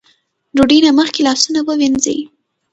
ډوډۍ نه مخکې لاسونه ووينځئ ـ